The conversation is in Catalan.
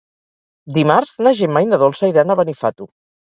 Dimarts na Gemma i na Dolça iran a Benifato.